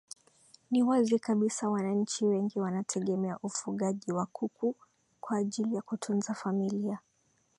Ni wazi kabisa wananchi wengi wanategemea ufugaji wa kuku kwa ajili ya kutunza familia